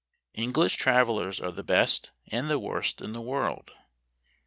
English travellers are the best and the worst in the world.